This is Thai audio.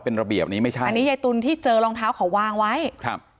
เป็นระเบียบนี้ไม่ใช่อันนี้ยายตุลที่เจอรองเท้าเขาวางไว้ครับ